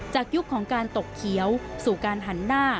ยุคของการตกเขียวสู่การหันหน้า